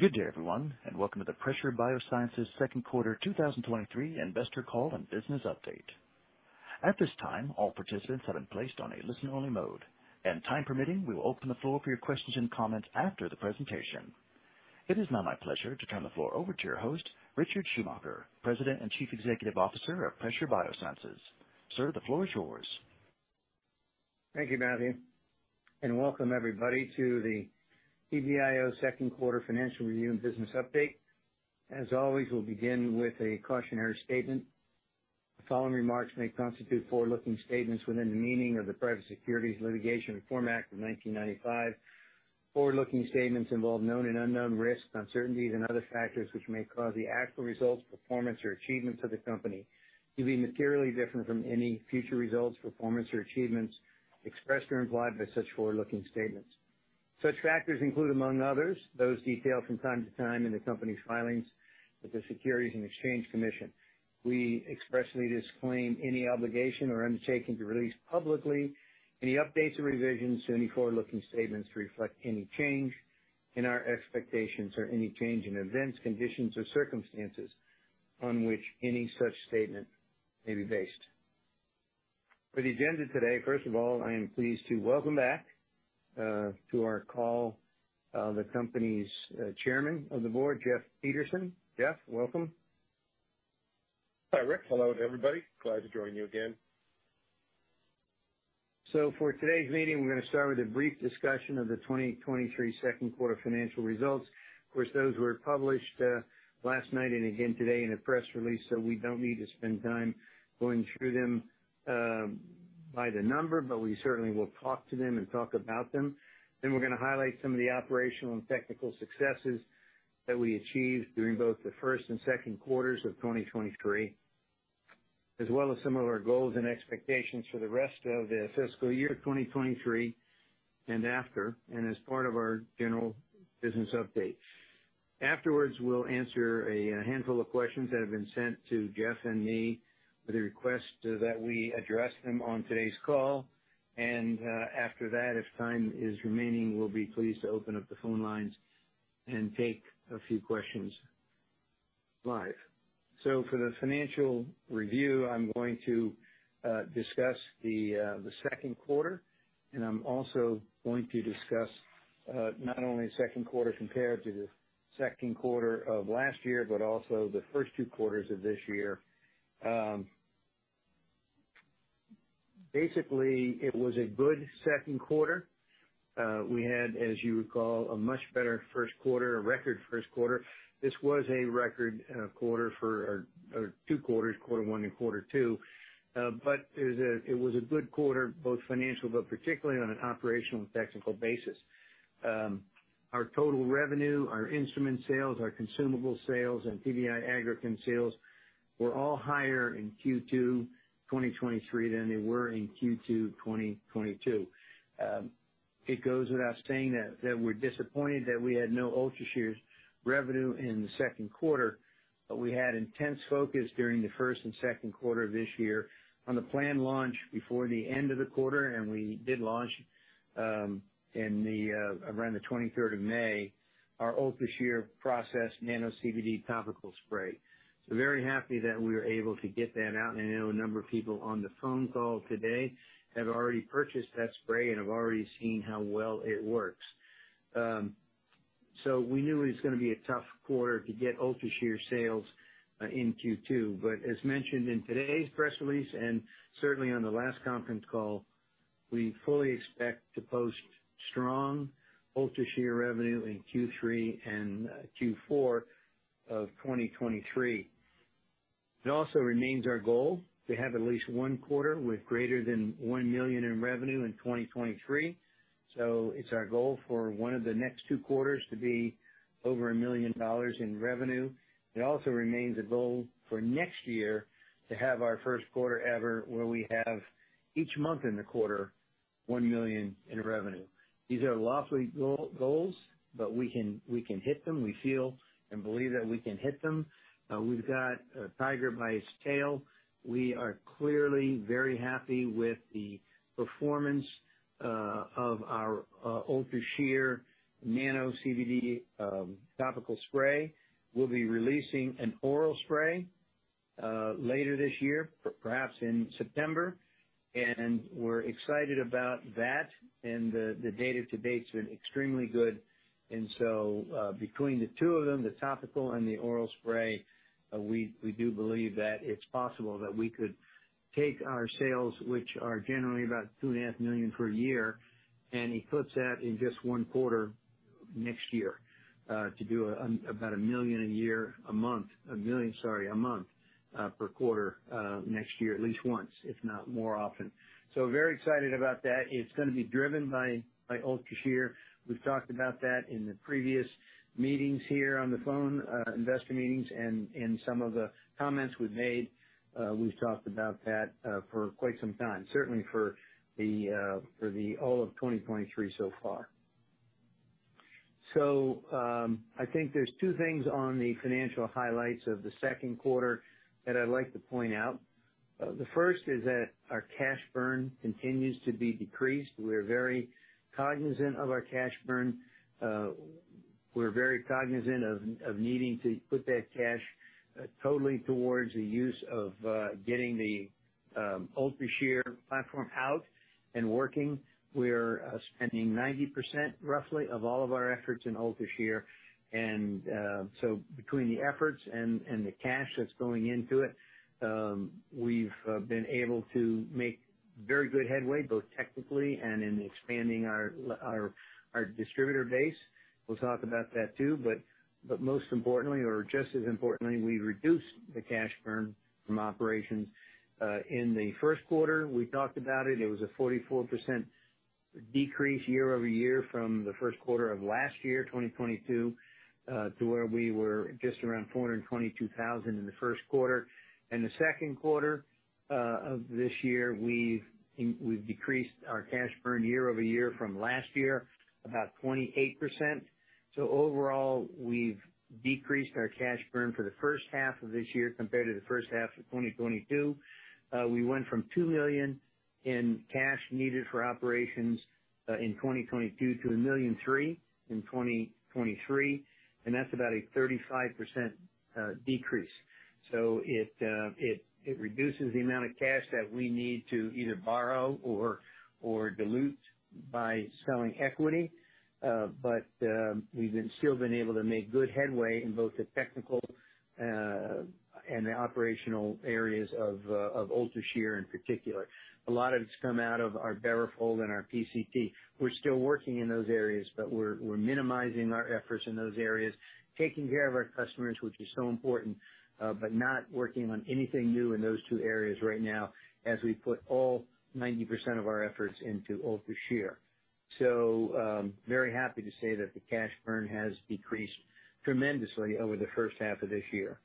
Good day, everyone, welcome to the Pressure BioSciences Second Quarter 2023 Investor Call and Business Update. At this time, all participants have been placed on a listen-only mode, and time permitting, we will open the floor for your questions and comments after the presentation. It is now my pleasure to turn the floor over to your host, Richard Schumacher, President and Chief Executive Officer of Pressure BioSciences. Sir, the floor is yours. Thank you, Matthew, and welcome everybody to the PBIO second quarter financial review and business update. As always, we'll begin with a cautionary statement. The following remarks may constitute forward-looking statements within the meaning of the Private Securities Litigation Reform Act of 1995. Forward-looking statements involve known and unknown risks, uncertainties, and other factors which may cause the actual results, performance, or achievements of the company to be materially different from any future results, performance, or achievements expressed or implied by such forward-looking statements. Such factors include, among others, those detailed from time to time in the company's filings with the Securities and Exchange Commission. We expressly disclaim any obligation or undertaking to release publicly any updates or revisions to any forward-looking statements to reflect any change in our expectations or any change in events, conditions, or circumstances on which any such statement may be based. For the agenda today, first of all, I am pleased to welcome back, to our call, the company's Chairman of the Board, Jeff Peterson. Jeff, welcome. Hi, Rick. Hello, everybody. Glad to join you again. For today's meeting, we're gonna start with a brief discussion of the 2023 second quarter financial results. Of course, those were published last night and again today in a press release, so we don't need to spend time going through them by the number, but we certainly will talk to them and talk about them. Then we're gonna highlight some of the operational and technical successes that we achieved during both the 1st and 2nd quarters of 2023, as well as some of our goals and expectations for the rest of the fiscal year 2023 and after, and as part of our general business update. Afterwards, we'll answer a handful of questions that have been sent to Jeff and me with a request that we address them on today's call. After that, if time is remaining, we'll be pleased to open up the phone lines and take a few questions live. For the financial review, I'm going to discuss the second quarter, and I'm also going to discuss not only second quarter compared to the second quarter of last year, but also the first two quarters of this year. Basically, it was a good second quarter. We had, as you recall, a much better first quarter, a record first quarter. This was a record quarter for our two quarters, quarter one and quarter two. But it was a good quarter, both financial but particularly on an operational and technical basis. Our total revenue, our instrument sales, our consumable sales, and PBI Agrochem sales were all higher in Q2 2023 than they were in Q2 2022. It goes without saying that we're disappointed that we had no UltraShear revenue in the second quarter. We had intense focus during the first and second quarter of this year on the planned launch before the end of the quarter. We did launch around the 23rd of May, our UltraShear Processed Nano-CBD Topical Spray. Very happy that we were able to get that out, and I know a number of people on the phone call today have already purchased that spray and have already seen how well it works. We knew it was gonna be a tough quarter to get UltraShear sales in Q2, but as mentioned in today's press release, and certainly on the last conference call, we fully expect to post strong UltraShear revenue in Q3 and Q4 of 2023. It also remains our goal to have at least 1 quarter with greater than $1 million in revenue in 2023. It's our goal for 1 of the next 2 quarters to be over $1 million in revenue. It also remains a goal for next year to have our first quarter ever, where we have each month in the quarter, $1 million in revenue. These are lofty goal-goals, but we can, we can hit them. We feel and believe that we can hit them. We've got a tiger by its tail. We are clearly very happy with the performance of our UltraShear Nano-CBD topical spray. We'll be releasing an oral spray later this year, perhaps in September, and we're excited about that. The data to date's been extremely good. Between the two of them, the topical and the oral spray, we do believe that it's possible that we could take our sales, which are generally about $2.5 million per year, and eclipse that in just 1 quarter next year, to do about $1 million a month per quarter next year, at least once, if not more often. Very excited about that. It's gonna be driven by UltraShear. We've talked about that in the previous meetings here on the phone, investor meetings, and in some of the comments we've made, we've talked about that for quite some time, certainly for the for the all of 2023 so far. I think there's two things on the financial highlights of the second quarter that I'd like to point out. The first is that our cash burn continues to be decreased. We're very cognizant of our cash burn. We're very cognizant of, of needing to put that cash totally towards the use of getting the UltraShear platform out and working. We're spending 90% roughly of all of our efforts in UltraShear. So between the efforts and, and the cash that's going into it, we've been able to make very good headway, both technically and in expanding our, our distributor base. We'll talk about that, too. But most importantly, or just as importantly, we've reduced the cash burn from operations. In the first quarter, we talked about it, it was a 44% decrease year-over-year from the first quarter of last year, 2022, to where we were just around $422,000 in the first quarter. In the second quarter of this year, we've decreased our cash burn year-over-year from last year, about 28%. Overall, we've decreased our cash burn for the first half of this year compared to the first half of 2022. We went from $2 million in cash needed for operations in 2022 to $1.3 million in 2023, and that's about a 35% decrease. It reduces the amount of cash that we need to either borrow or dilute by selling equity. We've been, still been able to make good headway in both the technical and the operational areas of UltraShear in particular. A lot of it's come out of our BaroFold and our PCT. We're still working in those areas, but we're minimizing our efforts in those areas, taking care of our customers, which is so important, but not working on anything new in those two areas right now as we put all 90% of our efforts into UltraShear. Very happy to say that the cash burn has decreased tremendously over the first half of this year.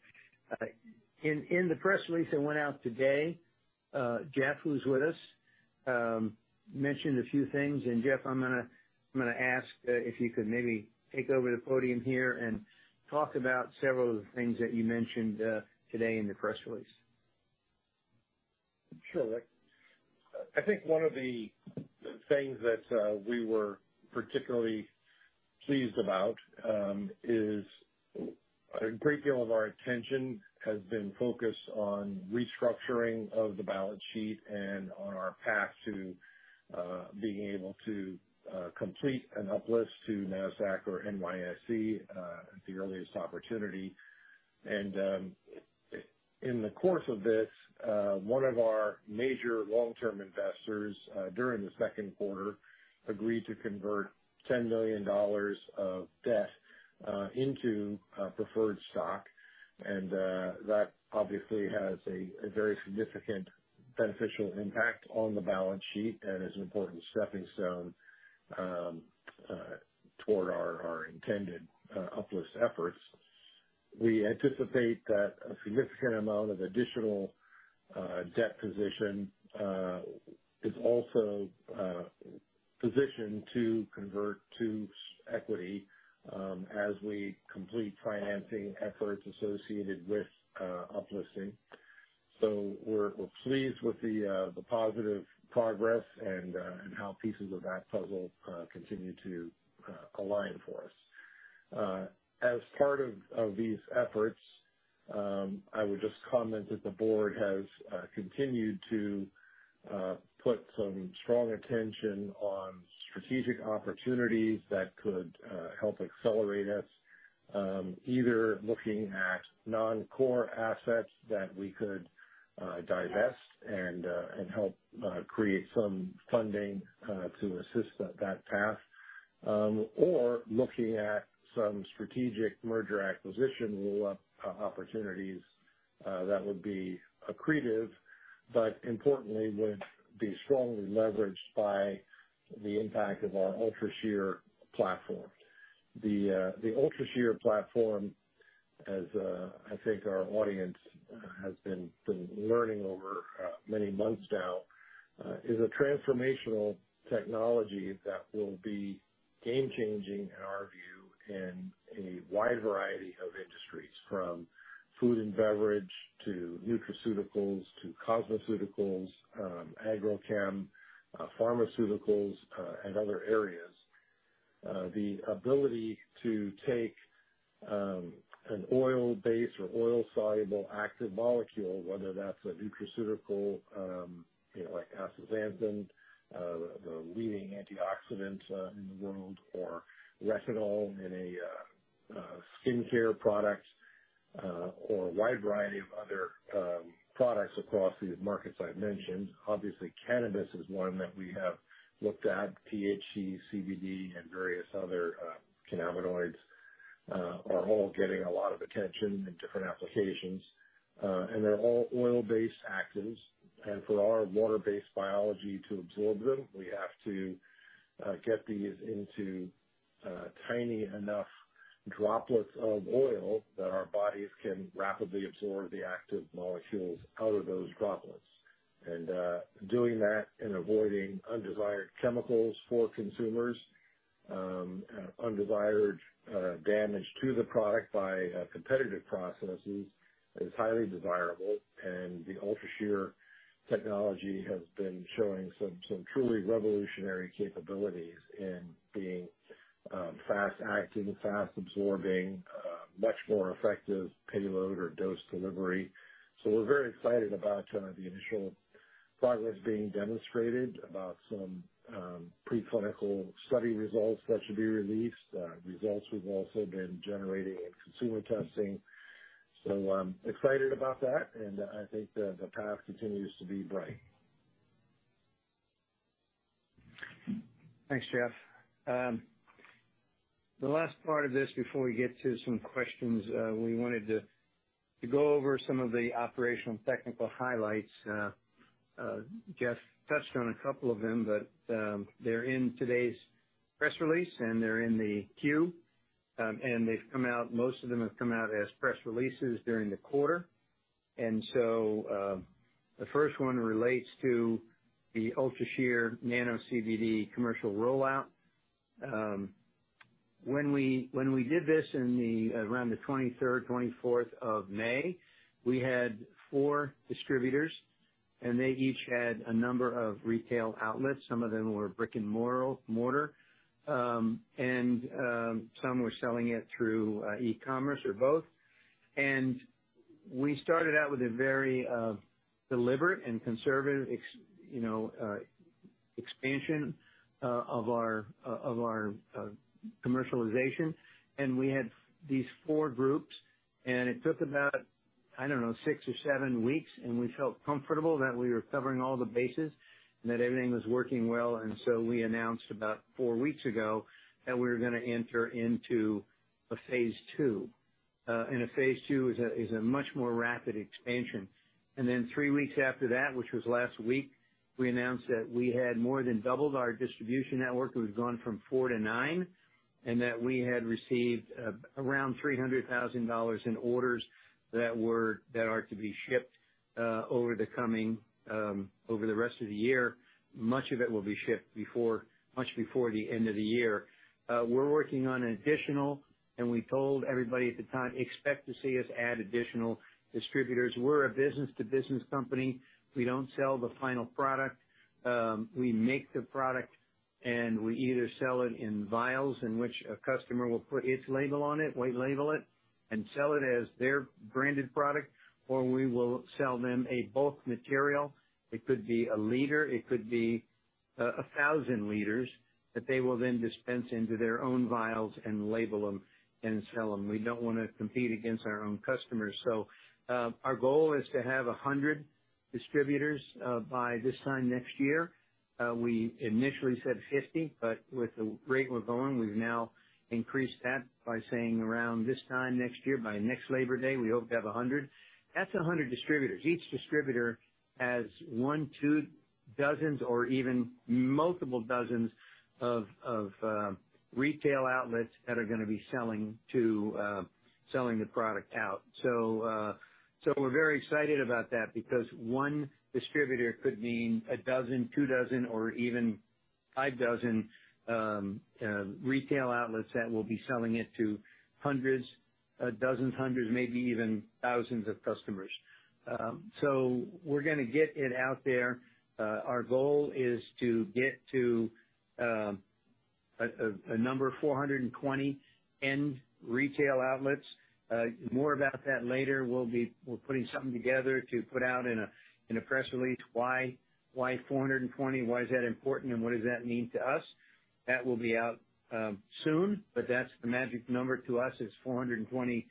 In the press release that went out today, Jeff, who's with us, mentioned a few things. Jeff, I'm gonna, I'm gonna ask, if you could maybe take over the podium here and talk about several of the things that you mentioned, today in the press release. Sure, Rick. I think one of the things that we were particularly pleased about is a great deal of our attention has been focused on restructuring of the balance sheet and on our path to being able to complete an uplist to NASDAQ or NYSE at the earliest opportunity. In the course of this, one of our major long-term investors, during the second quarter, agreed to convert $10 million of debt into preferred stock, and that obviously has a very significant beneficial impact on the balance sheet and is an important stepping stone toward our intended uplist efforts. We anticipate that a significant amount of additional debt position is also positioned to convert to equity as we complete financing efforts associated with uplisting. We're, we're pleased with the positive progress and how pieces of that puzzle continue to align for us. As part of these efforts, I would just comment that the board has continued to put some strong attention on strategic opportunities that could help accelerate us, either looking at non-core assets that we could divest and help create some funding to assist that path. Or looking at some strategic merger acquisition roll-up opportunities that would be accretive, but importantly, would be strongly leveraged by the impact of our UltraShear platform. The UltraShear platform, as I think our audience has been learning over many months now, is a transformational technology that will be game changing, in our view, in a wide variety of industries, from food and beverage, to nutraceuticals, to cosmeceuticals, agrochemical, pharmaceuticals, and other areas. The ability to take an oil base or oil-soluble active molecule, whether that's a nutraceutical, you know, like astaxanthin, the leading antioxidant in the world, or retinol in a skincare product, or a wide variety of other products across the markets I've mentioned. Obviously, cannabis is one that we have looked at. THC, CBD, and various other cannabinoids are all getting a lot of attention in different applications, and they're all oil-based actives. For our water-based biology to absorb them, we have to get these into tiny enough droplets of oil that our bodies can rapidly absorb the active molecules out of those droplets. Doing that and avoiding undesired chemicals for undesired damage to the product by competitive processes is highly desirable. The UltraShear technology has been showing some, some truly revolutionary capabilities in being fast-acting, fast-absorbing, much more effective payload or dose delivery. We're very excited about the initial progress being demonstrated, about some preclinical study results that should be released, results we've also been generating in consumer testing. I'm excited about that, and I think the path continues to be bright. Thanks, Jeff. The last part of this, before we get to some questions, we wanted to go over some of the operational and technical highlights. Jeff touched on a couple of them, but they're in today's press release, and they're in the Q, and they've come out, most of them have come out as press releases during the quarter. The first one relates to the UltraShear nano CBD commercial rollout. When we did this around the 23rd, 24th of May, we had 4 distributors, and they each had a number of retail outlets. Some of them were brick and mortar, and some were selling it through e-commerce or both. We started out with a very deliberate and conservative you know, expansion of our of our commercialization. We had these four groups, and it took about, I don't know, six or seven weeks, and we felt comfortable that we were covering all the bases and that everything was working well. We announced about four weeks ago that we were gonna enter into a phase 2. A phase 2 is a much more rapid expansion. Three weeks after that, which was last week, we announced that we had more than doubled our distribution network. It was gone from four to nine, and that we had received around $300,000 in orders that are to be shipped over the coming over the rest of the year. Much of it will be shipped before, much before the end of the year. We're working on additional, and we told everybody at the time, "Expect to see us add additional distributors." We're a business-to-business company. We don't sell the final product. We make the product, and we either sell it in vials, in which a customer will put its label on it, we label it, and sell it as their branded product, or we will sell them a bulk material. It could be a liter, it could be, 1,000 liters, that they will then dispense into their own vials and label them and sell them. We don't wanna compete against our own customers. Our goal is to have 100 distributors by this time next year. We initially said 50, but with the rate we're going, we've now increased that by saying around this time next year, by next Labor Day, we hope to have 100. That's 100 distributors. Each distributor has 1, 2 dozens or even multiple dozens of retail outlets that are gonna be selling to selling the product out. So we're very excited about that because 1 distributor could mean a dozen, 2 dozen, or even 5 dozen retail outlets that will be selling it to hundreds, dozens, hundreds, maybe even thousands of customers. We're gonna get it out there. Our goal is to get to a number 420 end retail outlets. More about that later. We're putting something together to put out in a press release. Why, why 420? Why is that important, and what does that mean to us? That will be out soon, but that's the magic number to us, is 420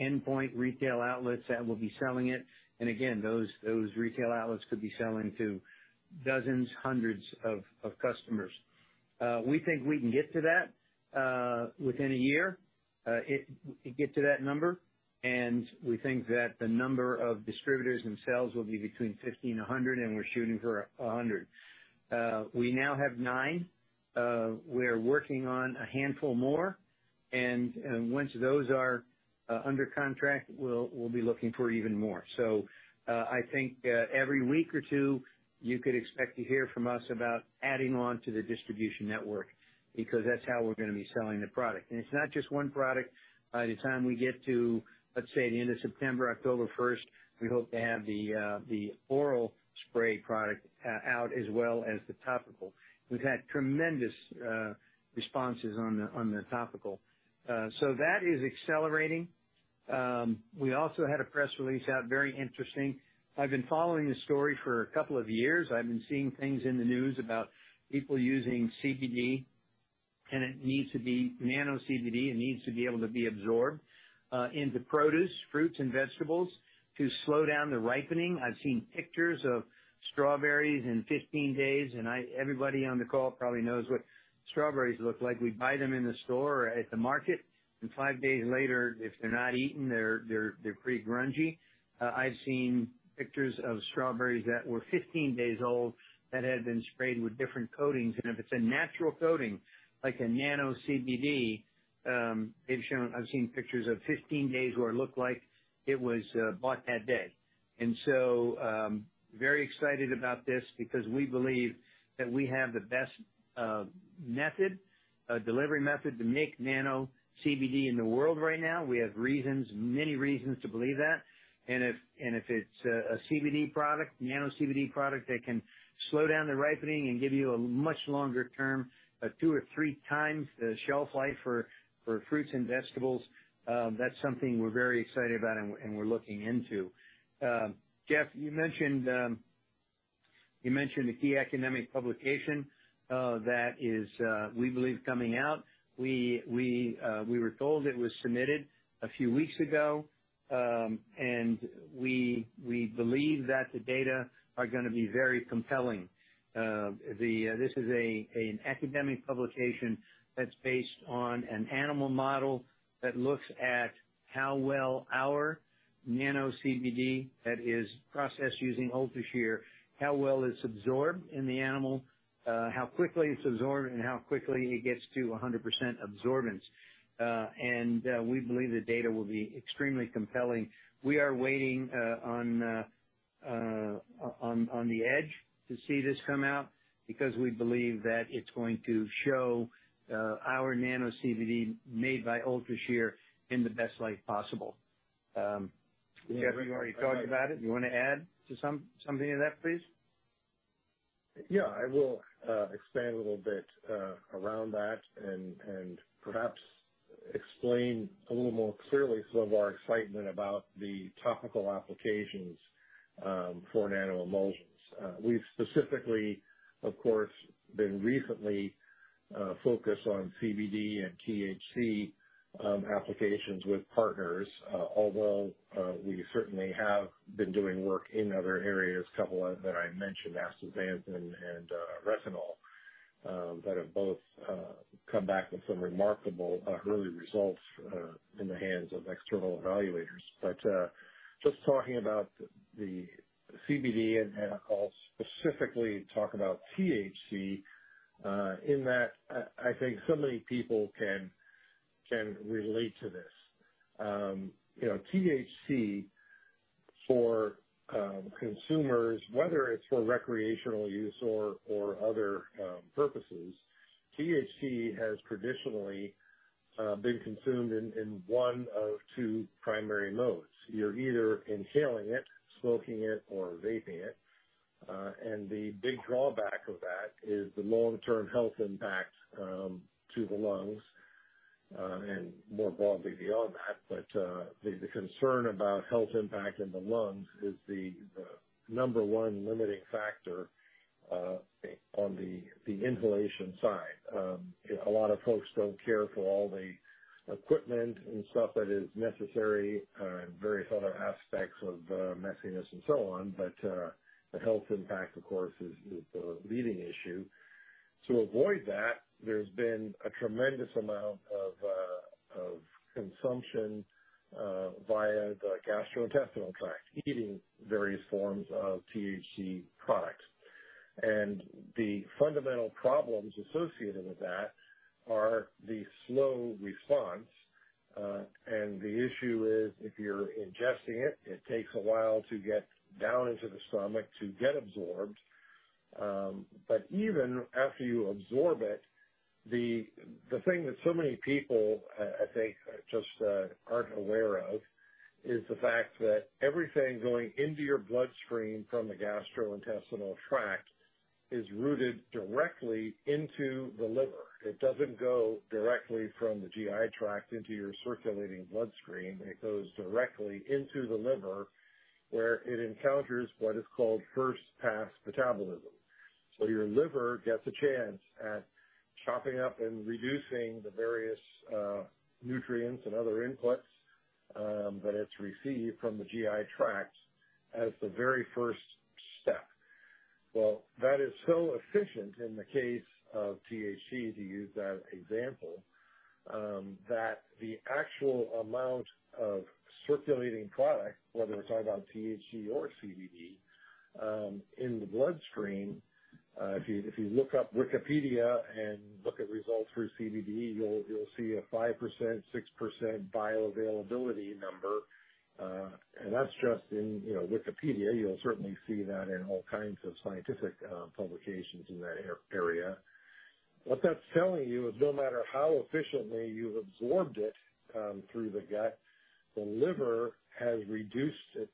endpoint retail outlets that will be selling it. Again, those, those retail outlets could be selling to dozens, hundreds of, of customers. We think we can get to that within a year. It- get to that number, and we think that the number of distributors themselves will be between 50 and 100, and we're shooting for 100. We now have nine. We are working on a handful more, and, and once those are under contract, we'll, we'll be looking for even more. I think every week or two, you could expect to hear from us about adding on to the distribution network, because that's how we're gonna be selling the product. It's not just one product. By the time we get to, let's say, the end of September, October first, we hope to have the oral spray product out, as well as the topical. We've had tremendous responses on the, on the topical. That is accelerating. We also had a press release out, very interesting. I've been following this story for a couple of years. I've been seeing things in the news about people using CBD. It needs to be nano CBD. It needs to be able to be absorbed into produce, fruits, and vegetables, to slow down the ripening. I've seen pictures of strawberries in 15 days. I... Everybody on the call probably knows what strawberries look like. We buy them in the store or at the market. Five days later, if they're not eaten, they're, they're, they're pretty grungy. I've seen pictures of strawberries that were 15 days old, that had been sprayed with different coatings, and if it's a natural coating, like a nano CBD, they've shown... I've seen pictures of 15 days where it looked like it was bought that day. So, very excited about this because we believe that we have the best method, delivery method to make nano CBD in the world right now. We have reasons, many reasons to believe that. If, and if it's a, a CBD product, nano CBD product, that can slow down the ripening and give you a much longer term, a 2 or 3 times the shelf life for, for fruits and vegetables, that's something we're very excited about and we, and we're looking into. Jeff, you mentioned, you mentioned the key academic publication, that is, we believe coming out. We, we, we were told it was submitted a few weeks ago. And we, we believe that the data are gonna be very compelling. The, this is a, an academic publication that's based on an animal model, that looks at how well our nano CBD, that is processed using UltraShear, how well it's absorbed in the animal, how quickly it's absorbed, and how quickly it gets to 100% absorbance. We believe the data will be extremely compelling. We are waiting on the edge to see this come out, because we believe that it's going to show our nano CBD made by UltraShear in the best light possible. Jeffrey, you already talked about it. You want to add something to that, please? Yeah. I will expand a little bit around that and, and perhaps explain a little more clearly some of our excitement about the topical applications for nanoemulsions. We've specifically, of course, been recently focused on CBD and THC applications with partners. Although, we certainly have been doing work in other areas, a couple of that I mentioned, astaxanthin and retinol, that have both come back with some remarkable early results in the hands of external evaluators. Just talking about the CBD, and, and I'll specifically talk about THC, in that I, I think so many people can, can relate to this. you know, THC for consumers, whether it's for recreational use or, or other purposes, THC has traditionally been consumed in, in one of two primary modes. You're either inhaling it, smoking it, or vaping it. The big drawback of that is the long-term health impact to the lungs and more broadly beyond that. The concern about health impact in the lungs is the number one limiting factor on the inhalation side. A lot of folks don't care for all the equipment and stuff that is necessary and various other aspects of messiness and so on. The health impact, of course, is the leading issue. To avoid that, there's been a tremendous amount of consumption via the gastrointestinal tract, eating various forms of THC products. The fundamental problems associated with that are the slow response. The issue is, if you're ingesting it, it takes a while to get down into the stomach to get absorbed. Even after you absorb it, the, the thing that so many people, I think, just aren't aware of, is the fact that everything going into your bloodstream from the gastrointestinal tract is routed directly into the liver. It doesn't go directly from the GI tract into your circulating bloodstream. It goes directly into the liver, where it encounters what is called first pass metabolism. Your liver gets a chance at chopping up and reducing the various nutrients and other inputs that it's received from the GI tract as the very first step. That is so efficient in the case of THC, to use that example, that the actual amount of circulating product, whether we're talking about THC or CBD, in the bloodstream... If you, if you look up Wikipedia and look at results for CBD, you'll, you'll see a 5%, 6% bioavailability number. That's just in, you know, Wikipedia. You'll certainly see that in all kinds of scientific publications in that area. What that's telling you is no matter how efficiently you've absorbed it through the gut, the liver has reduced it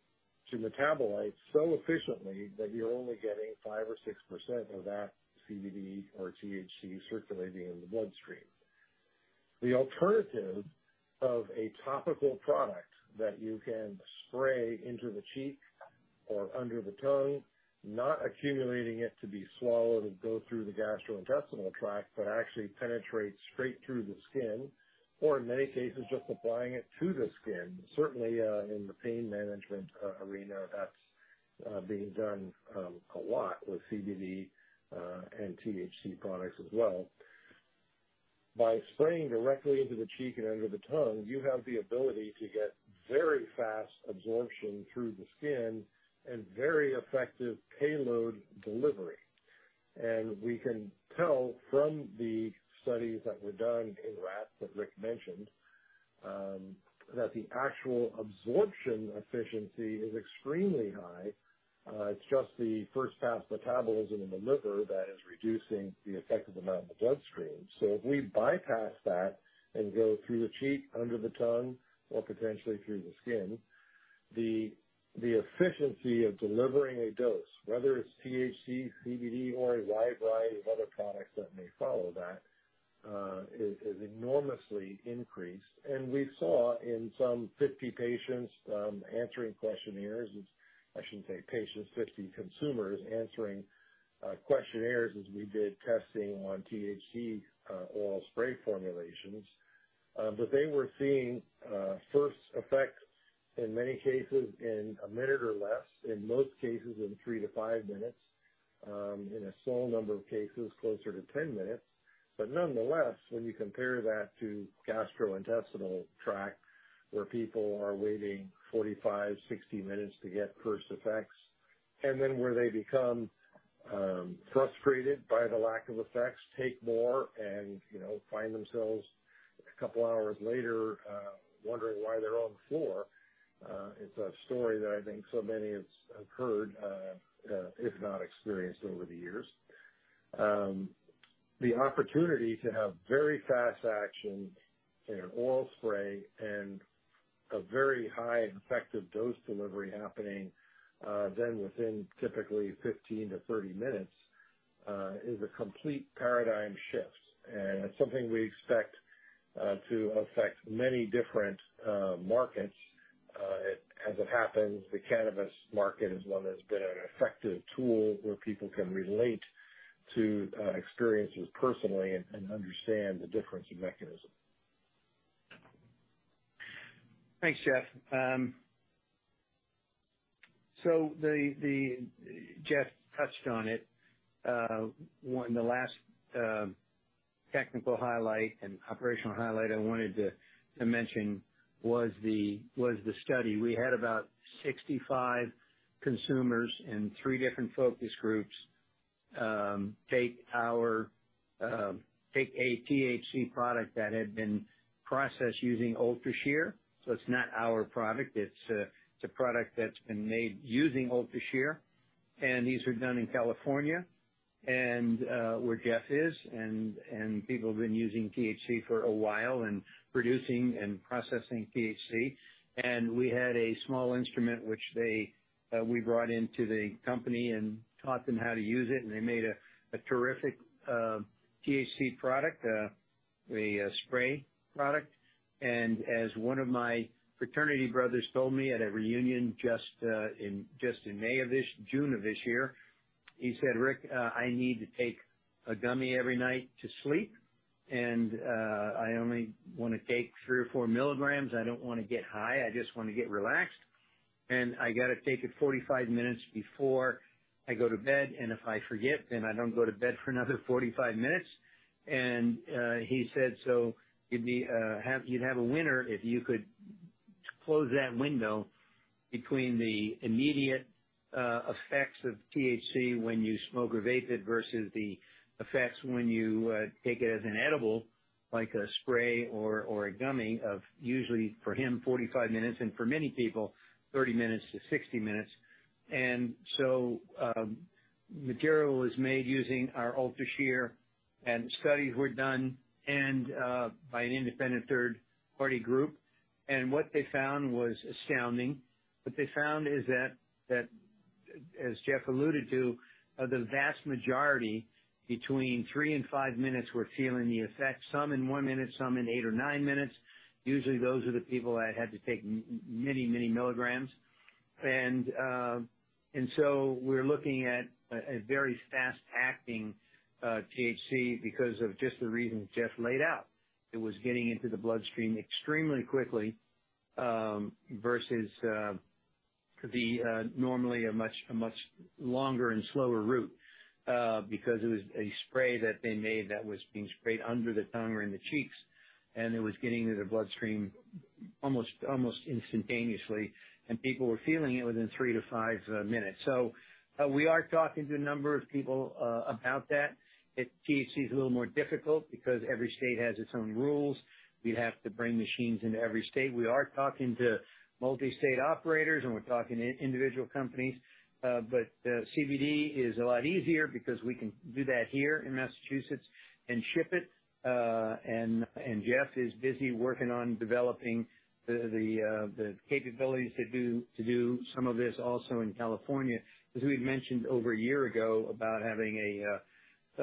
to metabolites so efficiently that you're only getting 5% or 6% of that CBD or THC circulating in the bloodstream. The alternative of a topical product that you can spray into the cheek or under the tongue, not accumulating it to be swallowed and go through the gastrointestinal tract, but actually penetrate straight through the skin, or in many cases, just applying it to the skin. Certainly, in the pain management arena, that's being done a lot with CBD and THC products as well. By spraying directly into the cheek and under the tongue, you have the ability to get very fast absorption through the skin and very effective payload delivery. We can tell from the studies that were done in rats, that Rick mentioned, that the actual absorption efficiency is extremely high. It's just the first-pass metabolism in the liver that is reducing the effective amount in the bloodstream. If we bypass that and go through the cheek, under the tongue, or potentially through the skin, the efficiency of delivering a dose, whether it's THC, CBD, or a wide variety of other products that may follow that, is enormously increased. We saw in some 50 patients answering questionnaires, which I shouldn't say patients, 50 consumers answering questionnaires as we did testing on THC oral spray formulations. They were seeing first effects in many cases in a minute or less, in most cases, in three to five minutes, in a small number of cases closer to 10 minutes. Nonetheless, when you compare that to gastrointestinal tract, where people are waiting 45, 60 minutes to get first effects, and then where they become frustrated by the lack of effects, take more and, you know, find themselves a couple hours later wondering why they're on the floor. It's a story that I think so many have heard, if not experienced over the years. The opportunity to have very fast action in an oral spray and a very high effective dose delivery happening, then within typically 15 to 30 minutes, is a complete paradigm shift, and it's something we expect to affect many different markets. As it happens, the cannabis market is one that's been an effective tool, where people can relate to experiences personally and, and understand the difference in mechanism. Thanks, Jeff. Jeff touched on it. One, the last technical highlight and operational highlight I wanted to mention was the study. We had about 65 consumers in 3 different focus groups take our, take a THC product that had been processed using UltraShear. It's not our product, it's a product that's been made using UltraShear, and these are done in California and where Jeff is, and people have been using THC for a while, and producing and processing THC. We had a small instrument which they, we brought into the company and taught them how to use it, and they made a terrific THC product, a spray product. As one of my fraternity brothers told me at a reunion just in May of this... June of this year, he said, "Rick, I need to take a gummy every night to sleep, and I only want to take 3 or 4 milligrams. I don't want to get high. I just want to get relaxed, and I got to take it 45 minutes before I go to bed. If I forget, then I don't go to bed for another 45 minutes. He said, "So you'd be have -- you'd have a winner if you could close that window between the immediate effects of THC when you smoke or vape it, versus the effects when you take it as an edible," like a spray or, or a gummy of usually, for him, 45 minutes, and for many people, 30-60 minutes. So, material was made using our UltraShear, and the studies were done by an independent third-party group, and what they found was astounding. What they found is that, that, as Jeff alluded to, the vast majority, between 3 and 5 minutes, were feeling the effect, some in 1 minute, some in 8 or 9 minutes. Usually, those are the people that had to take many, many milligrams. We're looking at a very fast-acting THC because of just the reasons Jeff laid out. It was getting into the bloodstream extremely quickly versus the normally a much, a much longer and slower route because it was a spray that they made that was being sprayed under the tongue or in the cheeks, and it was getting to the bloodstream almost, almost instantaneously, and people were feeling it within three to five minutes. We are talking to a number of people about that. THC is a little more difficult because every state has its own rules. We'd have to bring machines into every state. We are talking to multi-state operators, and we're talking to individual companies. CBD is a lot easier because we can do that here in Massachusetts and ship it. Jeff is busy working on developing the, the capabilities to do, to do some of this also in California, as we've mentioned over a year ago, about having a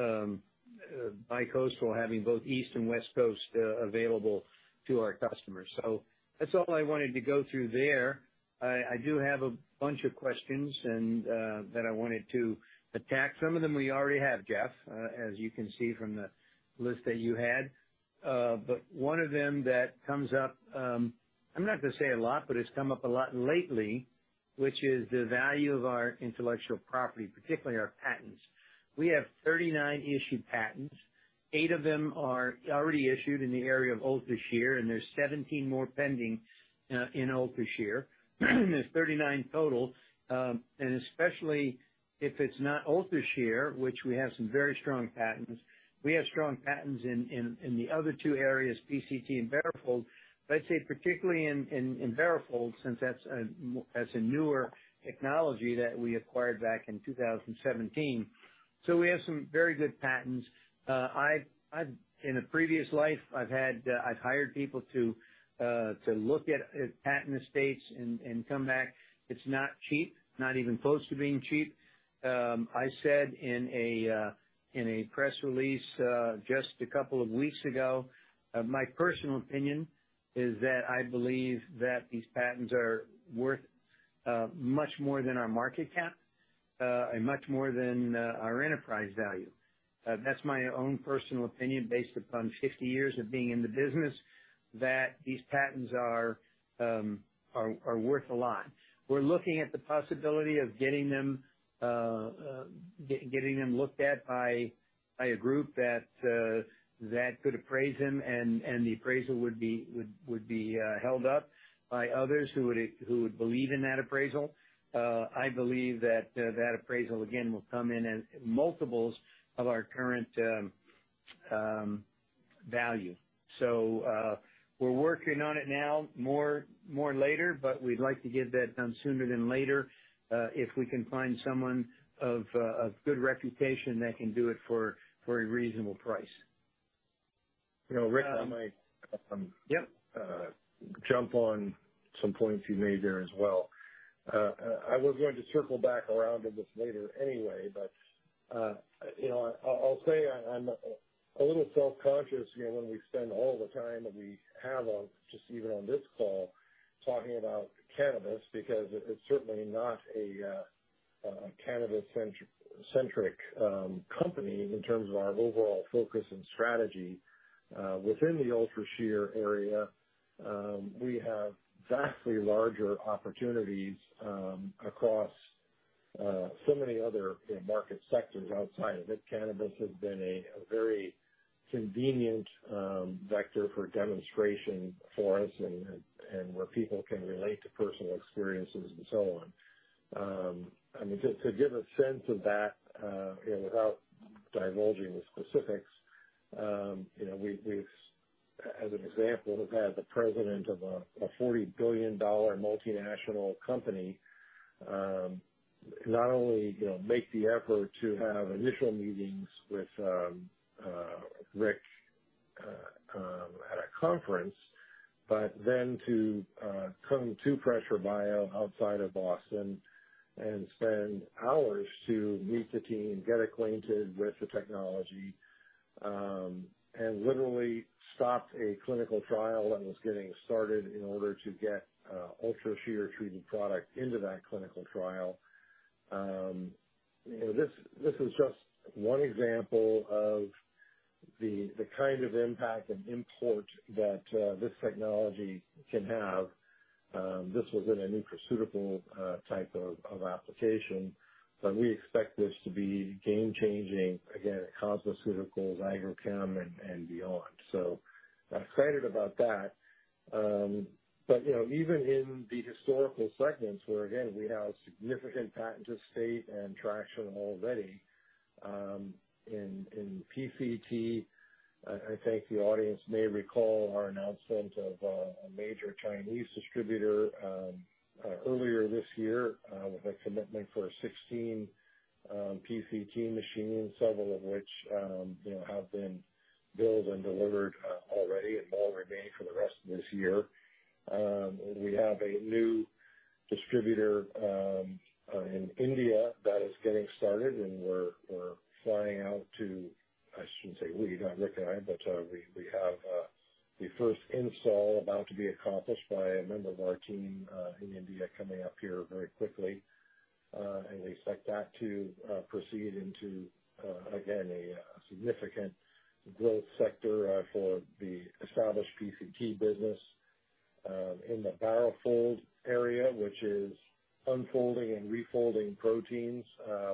bicoastal, having both East and West Coast, available to our customers. That's all I wanted to go through there. I, I do have a bunch of questions, and that I wanted to attack. Some of them we already have, Jeff, as you can see from the list that you had. One of them that comes up, I'm not going to say a lot, but it's come up a lot lately, which is the value of our intellectual property, particularly our patents. We have 39 issued patents.... 8 of them are already issued in the area of UltraShear. There's 17 more pending in UltraShear. There's 39 total. Especially if it's not UltraShear, which we have some very strong patents, we have strong patents in the other two areas, PCT and BaroFold. I'd say particularly in BaroFold, since that's a newer technology that we acquired back in 2017. We have some very good patents. In a previous life, I've had, I've hired people to look at patent estates and come back. It's not cheap, not even close to being cheap. I said in a press release, just 2 weeks ago, my personal opinion is that I believe that these patents are worth much more than our market cap, and much more than our enterprise value. That's my own personal opinion, based upon 50 years of being in the business, that these patents are worth a lot. We're looking at the possibility of getting them looked at by a group that could appraise them, and the appraisal would be held up by others who would believe in that appraisal. I believe that that appraisal, again, will come in at multiples of our current value. We're working on it now, more, more later, but we'd like to get that done sooner than later, if we can find someone of good reputation that can do it for a reasonable price. You know, Rick, I might... Yep. Uh- Jump on some points you made there as well. I was going to circle back around to this later anyway, but, you know, I, I'll say I, I'm a little self-conscious, you know, when we spend all the time that we have on, just even on this call, talking about cannabis, because it's certainly not a cannabis-centric company in terms of our overall focus and strategy. Within the UltraShear area, we have vastly larger opportunities across so many other, you know, market sectors outside of it. Cannabis has been a very convenient vector for demonstration for us and where people can relate to personal experiences and so on. I mean, to, to give a sense of that, you know, without divulging the specifics, you know, we've, we've, as an example, have had the president of a, a $40 billion multinational company, not only, you know, make the effort to have initial meetings with, Rick, at a conference, but then to, come to Pressure Bio outside of Boston and spend hours to meet the team, get acquainted with the technology, and literally stopped a clinical trial and was getting started in order to get, UltraShear treated product into that clinical trial. You know, this, this is just 1 example of the, the kind of impact and import that, this technology can have. This was in a nutraceutical type of application, but we expect this to be game changing, again, in cosmeceuticals, agrochemical, and beyond. I'm excited about that. You know, even in the historical segments, where, again, we have significant patent estate and traction already, in PCT, the audience may recall our announcement of a major Chinese distributor earlier this year, with a commitment for 16 PCT machines, several of which, you know, have been built and delivered already and more remain for the rest of this year. We have a new distributor in India that is getting started, and we're flying out to... I shouldn't say we, not Rick and I, but we, we have the first install about to be accomplished by a member of our team in India, coming up here very quickly. We expect that to proceed into again, a significant growth sector for the established PCT business. In the BaroFold area, which is unfolding and refolding proteins,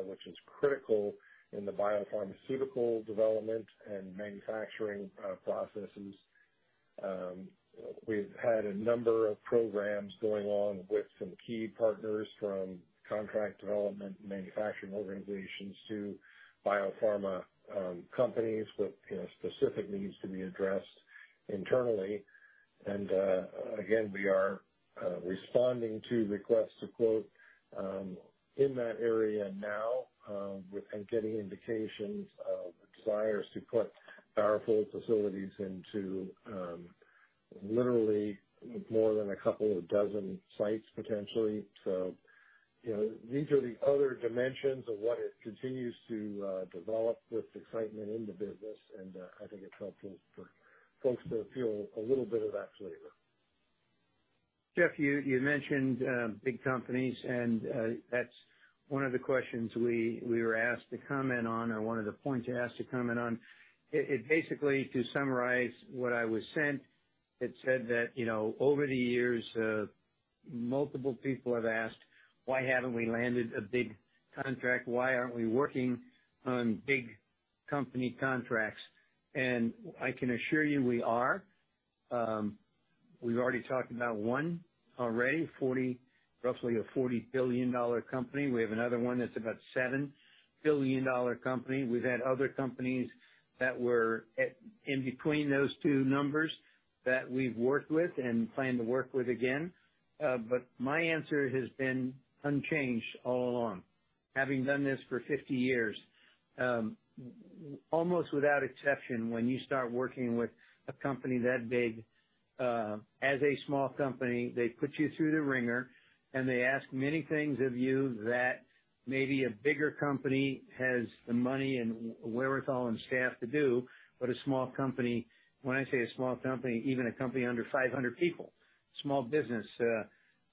which is critical in the biopharmaceutical development and manufacturing processes. We've had a number of programs going on with some key partners, from Contract Development and Manufacturing Organizations to biopharma companies with, you know, specific needs to be addressed internally. Again, we are responding to requests to quote in that area now, with, and getting indications of desires to put BaroFold facilities into literally more than 2 dozen sites, potentially. You know, these are the other dimensions of what it continues to develop with excitement in the business, and I think it's helpful for folks to feel a little bit of that flavor. Jeff, you mentioned big companies. That's one of the questions we were asked to comment on and one of the points asked to comment on. It basically, to summarize what I was sent, it said that, you know, over the years, multiple people have asked, "Why haven't we landed a big contract? Why aren't we working on big company contracts?" I can assure you, we are. We've already talked about one already, roughly a $40 billion company. We have another one that's about a $7 billion company. We've had other companies that were in between those two numbers that we've worked with and plan to work with again. My answer has been unchanged all along, having done this for 50 years. Almost without exception, when you start working with a company that big, as a small company, they put you through the wringer, and they ask many things of you that maybe a bigger company has the money and wherewithal and staff to do. A small company, when I say a small company, even a company under 500 people, Small Business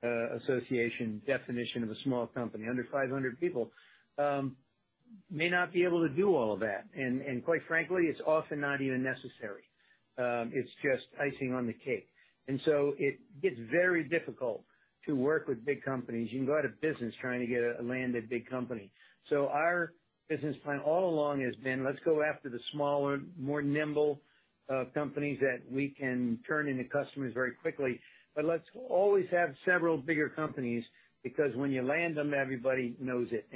Association, definition of a small company, under 500 people, may not be able to do all of that. Quite frankly, it's often not even necessary. It's just icing on the cake. So it gets very difficult to work with big companies. You can go out of business trying to get land a big company. Our business plan all along has been: Let's go after the smaller, more nimble companies that we can turn into customers very quickly. Let's always have several bigger companies, because when you land them, everybody knows it.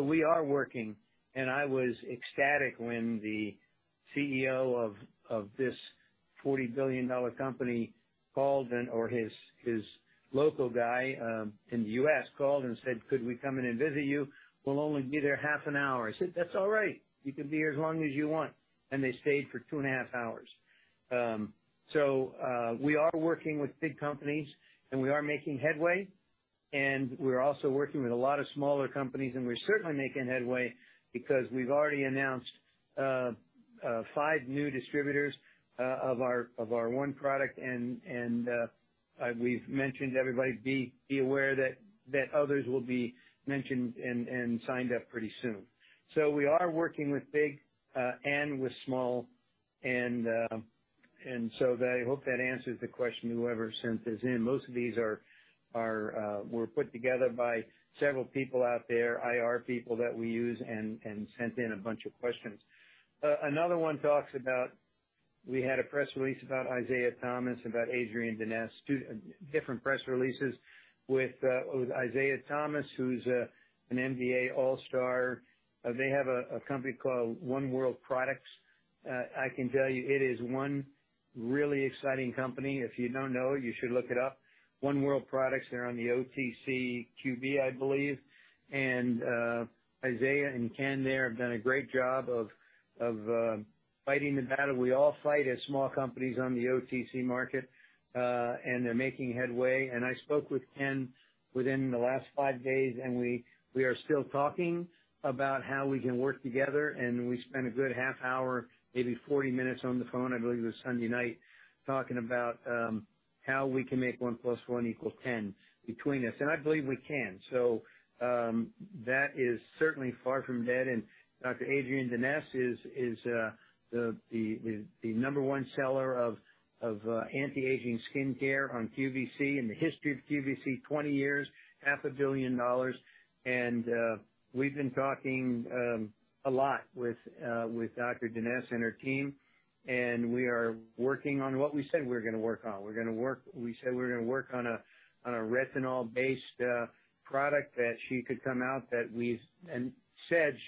We are working, and I was ecstatic when the CEO of this $40 billion company called, or his local guy, in the U.S. called and said, "Could we come in and visit you? We'll only be there half an hour." I said, "That's all right. You can be here as long as you want." They stayed for two and a half hours. We are working with big companies, we are making headway, we're also working with a lot of smaller companies, we're certainly making headway because we've already announced 5 new distributors of our, of our 1 product. We've mentioned to everybody, be, be aware that, that others will be mentioned and signed up pretty soon. We are working with big and with small, I hope that answers the question, whoever sent this in. Most of these were put together by several people out there, IR people that we use and sent in a bunch of questions. Another one talks about, we had a press release about Isiah Thomas, about Adrienne Denese, 2 different press releases with Isiah Thomas, who's an NBA All-Star. They have a company called One World Products. I can tell you, it is one really exciting company. If you don't know it, you should look it up. One World Products, they're on the OTCQB, I believe. Isiah and Ken there have done a great job of fighting the battle we all fight as small companies on the OTC market, and they're making headway. I spoke with Ken within the last five days, and we are still talking about how we can work together. We spent a good half hour, maybe 40 minutes, on the phone, I believe it was Sunday night, talking about how we can make one plus one equal ten between us, and I believe we can. That is certainly far from dead. Dr. Adrienne Denese is, is, the, the, the, the number 1 seller of, of, anti-aging skincare on QVC, in the history of QVC, 20 years, $500 million. We've been talking a lot with Adrienne Denese and her team, and we are working on what we said we're gonna work on. We said we're gonna work on a retinol-based product that she could come out,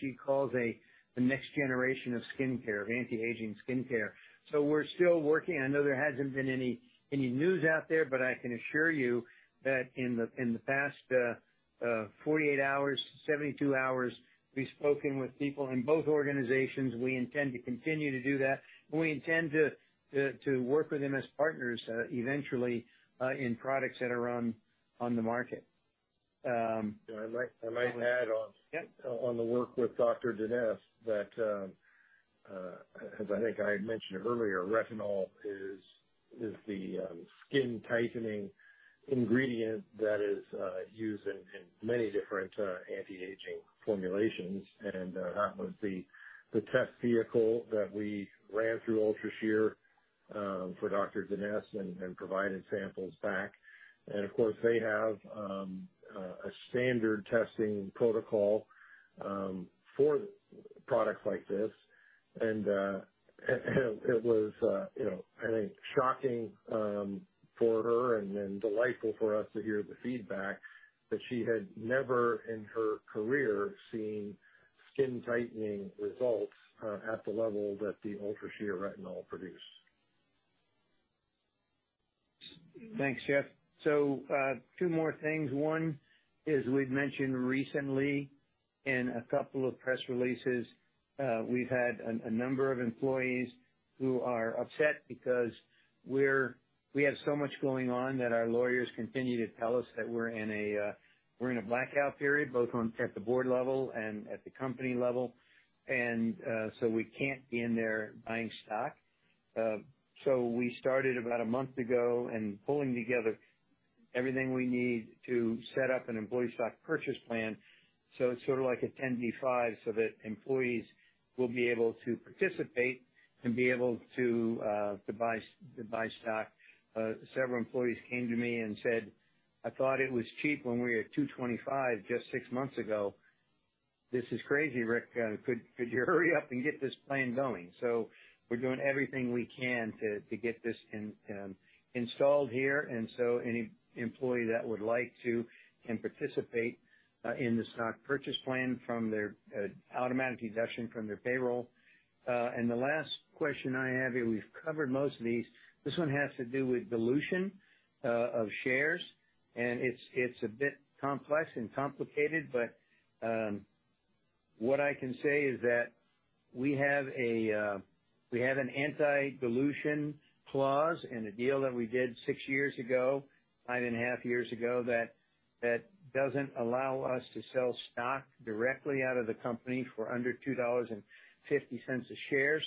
she calls the next generation of skincare, of anti-aging skincare. We're still working. I know there hasn't been any, any news out there, but I can assure you that in the, in the past, 48 hours, 72 hours, we've spoken with people in both organizations. We intend to continue to do that, and we intend to, to, to work with them as partners, eventually, in products that are on, on the market. I might, I might add. Yep. On the work with Adrienne Denese that, as I think I had mentioned earlier, retinol is, is the, skin-tightening ingredient that is, used in, in many different, anti-aging formulations. That was the, the test vehicle that we ran through UltraShear, for Adrienne Denese and, and provided samples back. Of course, they have, a standard testing protocol, for products like this. It was, you know, I think, shocking, for her and then delightful for us to hear the feedback that she had never in her career seen skin-tightening results, at the level that the UltraShear retinol produced. Thanks, Jeff. Two more things. One is we've mentioned recently in a couple of press releases, we've had a number of employees who are upset because we're we have so much going on that our lawyers continue to tell us that we're in a, we're in a blackout period, both on, at the board level and at the company level, and so we can't be in there buying stock. We started about 1 month ago, and pulling together everything we need to set up an employee stock purchase plan. It's sort of like a 10-to-5, so that employees will be able to participate and be able to to buy, to buy stock. Several employees came to me and said, "I thought it was cheap when we were at $2.25 just 6 months ago. This is crazy, Rick. Could you hurry up and get this plan going? We're doing everything we can to, to get this in, installed here. Any employee that would like to can participate in the stock purchase plan from their automatic deduction from their payroll. The last question I have, and we've covered most of these, this one has to do with dilution of shares, and it's, it's a bit complex and complicated, but what I can say is that we have a, we have an anti-dilution clause in a deal that we did 6 years ago, 9.5 years ago, that, that doesn't allow us to sell stock directly out of the company for under $2.50 a share.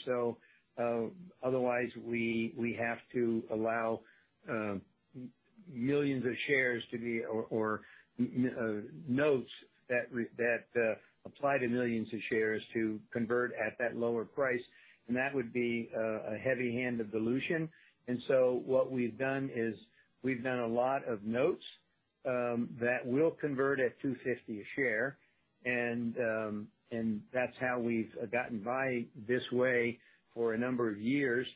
Otherwise we, we have to allow millions of shares to be, or notes that apply to millions of shares to convert at that lower price. That would be a heavy hand of dilution. What we've done is we've done a lot of notes that will convert at $2.50 a share. That's how we've gotten by this way for a number of years.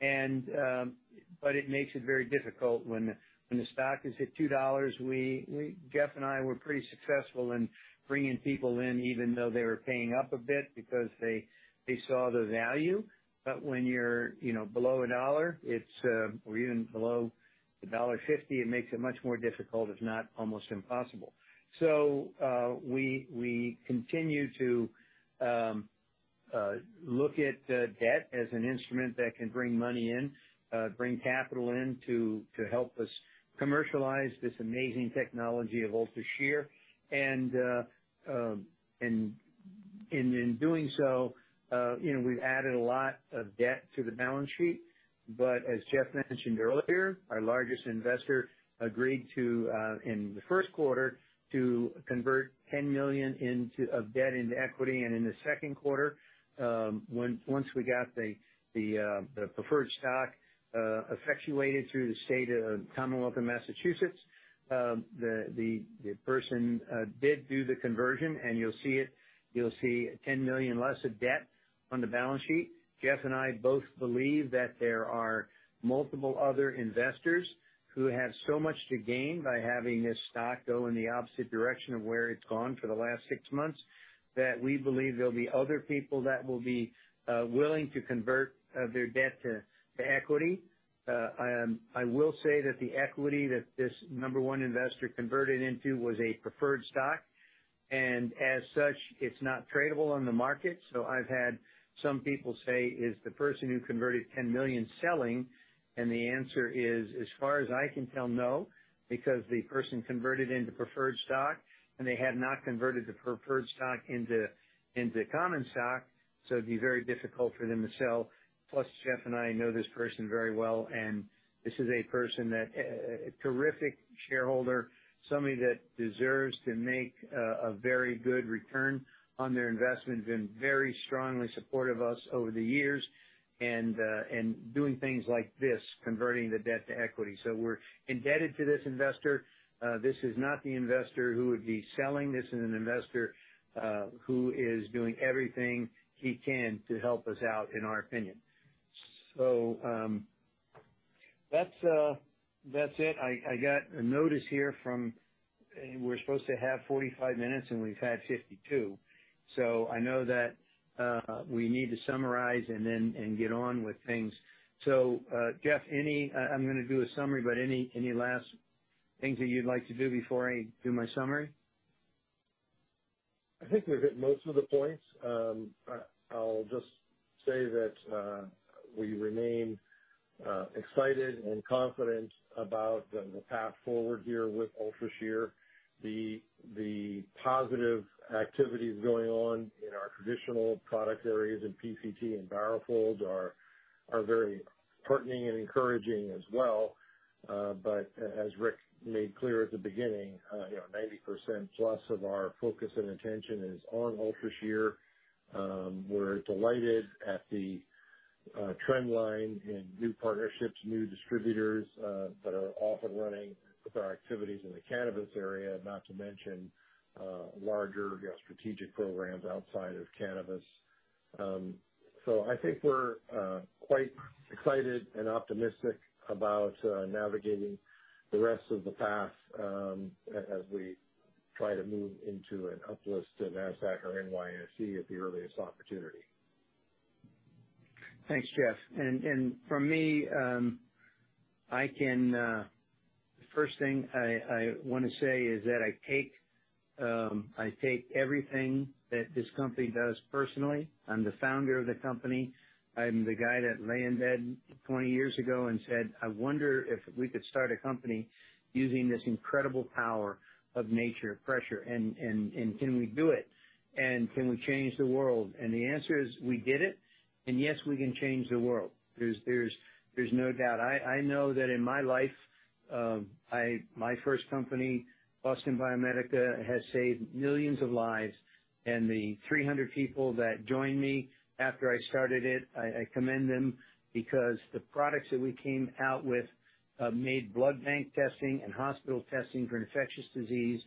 It makes it very difficult when, when the stock is at $2. Jeff and I were pretty successful in bringing people in, even though they were paying up a bit because they, they saw the value. When you're, you know, below $1, it's or even below $1.50, it makes it much more difficult, if not almost impossible. We, we continue to look at debt as an instrument that can bring money in, bring capital in to help us commercialize this amazing technology of UltraShear. In doing so, you know, we've added a lot of debt to the balance sheet. As Jeff mentioned earlier, our largest investor agreed to in the first quarter, to convert $10 million into of debt into equity. In the second quarter, once we got the preferred stock effectuated through the State of Commonwealth of Massachusetts, the person did do the conversion, and you'll see it. You'll see $10 million less of debt on the balance sheet. Jeff and I both believe that there are multiple other investors who have so much to gain by having this stock go in the opposite direction of where it's gone for the last six months, that we believe there'll be other people that will be willing to convert their debt to equity. I will say that the equity that this number 1 investor converted into was a preferred stock, and as such, it's not tradable on the market. I've had some people say: "Is the person who converted $10 million selling?" The answer is, as far as I can tell, no, because the person converted into preferred stock, and they have not converted the preferred stock into common stock, so it'd be very difficult for them to sell. Plus, Jeff and I know this person very well, and this is a person that, a terrific shareholder, somebody that deserves to make a very good return on their investment, been very strongly supportive of us over the years and doing things like this, converting the debt to equity. We're indebted to this investor. This is not the investor who would be selling. This is an investor, who is doing everything he can to help us out, in our opinion. That's, that's it. I, I got a notice here from... We're supposed to have 45 minutes, and we've had 52, so I know that, we need to summarize and then, and get on with things. Jeff, I'm gonna do a summary, but any, any last things that you'd like to do before I do my summary? I think we've hit most of the points. I, I'll just say that we remain excited and confident about the path forward here with UltraShear. The positive activities going on in our traditional product areas in PCT and BaroFold are very heartening and encouraging as well. As Rick made clear at the beginning, you know, 90% plus of our focus and attention is on UltraShear. We're delighted at the trend line in new partnerships, new distributors, that are off and running with our activities in the cannabis area, not to mention larger strategic programs outside of cannabis. I think we're quite excited and optimistic about navigating the rest of the path as we try to move into an uplist to Nasdaq or NYSE at the earliest opportunity. Thanks, Jeff. For me, I can, the first thing I wanna say is that I take everything that this company does personally. I'm the founder of the company. I'm the guy that lay in bed 20 years ago and said: "I wonder if we could start a company using this incredible power of nature, pressure, and can we do it?" Can we change the world? The answer is, we did it, and yes, we can change the world. There's no doubt. I know that in my life, my first company, Boston Biomedica, has saved millions of lives, and the 300 people that joined me after I started it, I commend them because the products that we came out with made blood bank testing and hospital testing for infectious disease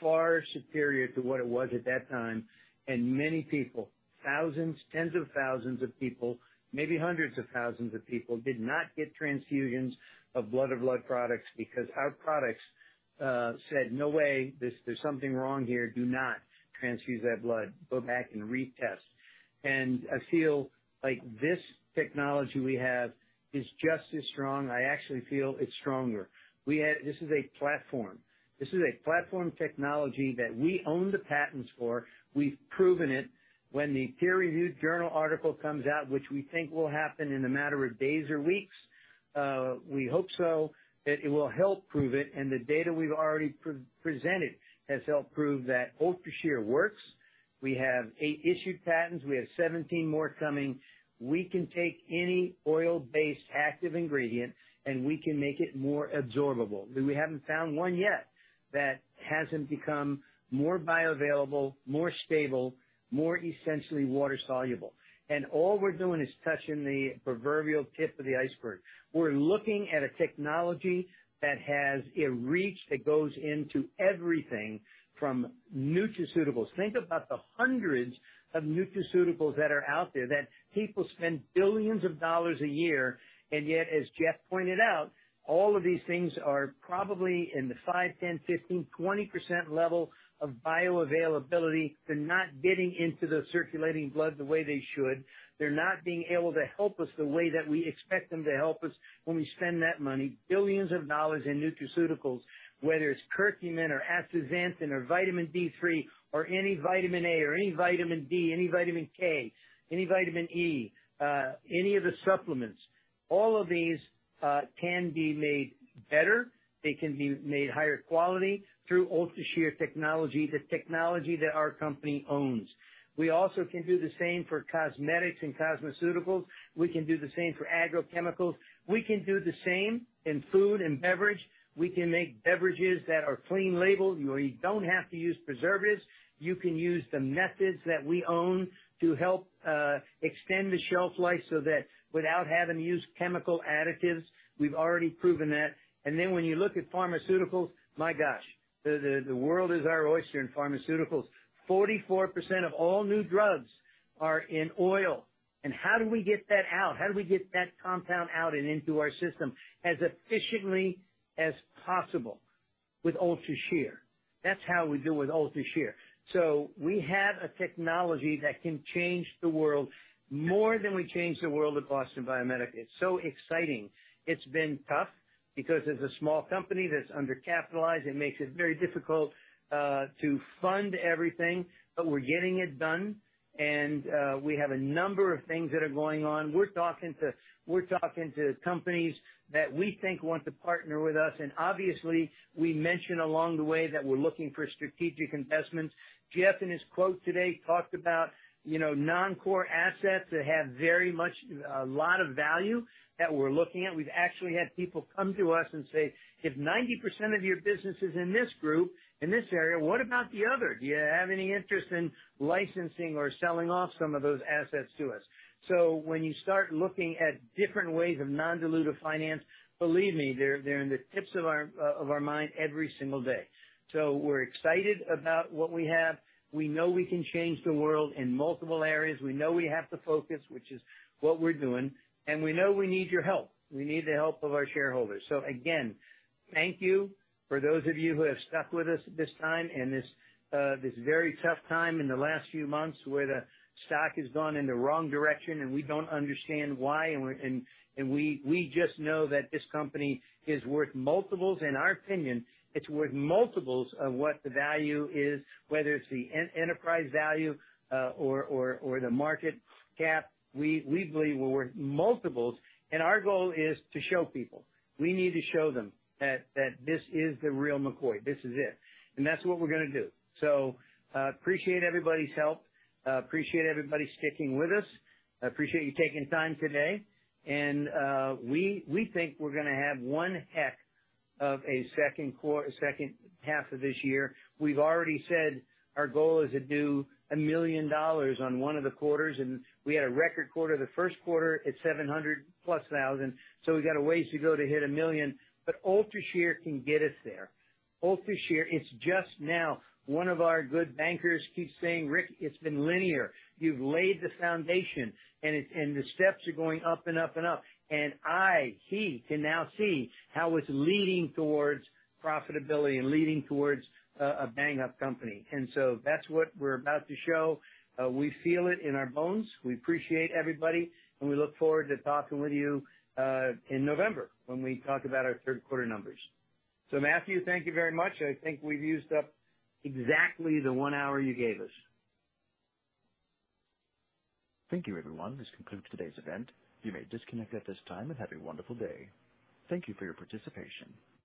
far superior to what it was at that time. Many people, thousands, tens of thousands of people, maybe hundreds of thousands of people, did not get transfusions of blood or blood products because our products said, "No way. There's something wrong here. Do not transfuse that blood. Go back and retest." I feel like this technology we have is just as strong. I actually feel it's stronger. This is a platform. This is a platform technology that we own the patents for. We've proven it. When the peer review journal article comes out, which we think will happen in a matter of days or weeks, we hope so, that it will help prove it. And the data we've already pre-presented has helped prove that UltraShear works. We have 8 issued patents. We have 17 more coming. We can take any oil-based, active ingredient, and we can make it more absorbable. We haven't found one yet that hasn't become more bioavailable, more stable, more essentially water soluble. And all we're doing is touching the proverbial tip of the iceberg. We're looking at a technology that has a reach that goes into everything from nutraceuticals. Think about the hundreds of nutraceuticals that are out there, that people spend billions of dollars a year, and yet, as Jeff pointed out, all of these things are probably in the 5%, 10%, 15%, 20% level of bioavailability. They're not getting into the circulating blood the way they should. They're not being able to help us the way that we expect them to help us when we spend that money. Billions of dollars in nutraceuticals, whether it's curcumin or astaxanthin or vitamin D3, or any vitamin A, or any vitamin D, any vitamin K, any vitamin E, any of the supplements, all of these can be made better. They can be made higher quality through UltraShear technology, the technology that our company owns. We also can do the same for cosmetics and cosmeceuticals. We can do the same for agrochemicals. We can do the same in food and beverage. We can make beverages that are clean label, where you don't have to use preservatives. You can use the methods that we own to help, extend the shelf life so that without having to use chemical additives, we've already proven that. Then when you look at pharmaceuticals, my gosh, the, the, the world is our oyster in pharmaceuticals. 44% of all new drugs are in oil. How do we get that out? How do we get that compound out and into our system as efficiently as possible? With UltraShear. That's how we do with UltraShear. We have a technology that can change the world more than we changed the world at Boston Biomedica. It's so exciting. It's been tough because as a small company that's undercapitalized, it makes it very difficult, to fund everything, but we're getting it done, and, we have a number of things that are going on. We're talking to, we're talking to companies that we think want to partner with us, and obviously, we mention along the way that we're looking for strategic investments. Jeff, in his quote today, talked about, you know, non-core assets that have very much a lot of value that we're looking at. We've actually had people come to us and say, "If 90% of your business is in this group, in this area, what about the other? Do you have any interest in licensing or selling off some of those assets to us?" When you start looking at different ways of non-dilutive finance, believe me, they're, they're in the tips of our, of our mind every single day. We're excited about what we have. We know we can change the world in multiple areas. We know we have to focus, which is what we're doing, and we know we need your help. We need the help of our shareholders. Again, thank you for those of you who have stuck with us this time and this, this very tough time in the last few months, where the stock has gone in the wrong direction, and we don't understand why, and we just know that this company is worth multiples. In our opinion, it's worth multiples of what the value is, whether it's the enterprise value, or, or, or the market cap. We, we believe we're worth multiples, and our goal is to show people. We need to show them that, that this is the real McCoy. This is it. That's what we're gonna do. Appreciate everybody's help. Appreciate everybody sticking with us. I appreciate you taking time today, and we, we think we're gonna have one heck of a second half of this year. We've already said our goal is to do $1 million on one of the quarters, and we had a record quarter, the first quarter, at $700+ thousand, so we've got a ways to go to hit $1 million, but UltraShear can get us there. UltraShear, it's just now, one of our good bankers keeps saying, "Rick, it's been linear. You've laid the foundation and it... And the steps are going up and up and up." He can now see how it's leading towards profitability and leading towards a bang-up company. So that's what we're about to show. We feel it in our bones. We appreciate everybody. We look forward to talking with you in November, when we talk about our third quarter numbers. Matthew, thank you very much. I think we've used up exactly the 1 hour you gave us. Thank you, everyone. This concludes today's event. You may disconnect at this time and have a wonderful day. Thank you for your participation.